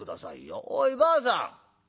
おいばあさん。